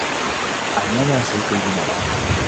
Añada aceite y vinagre.